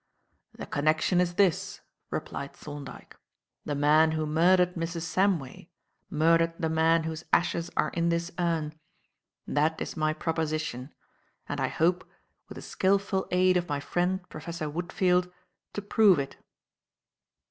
"The connection is this," replied Thorndyke; "the man who murdered Mrs. Samway murdered the man whose ashes are in this urn. That is my proposition; and I hope, with the skilful aid of my friend Professor Woodfield, to prove it."